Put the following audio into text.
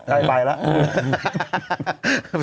ใครไปแล้ว